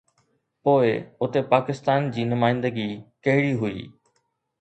پوءِ اتي پاڪستان جي نمائندگي ڪهڙي هئي؟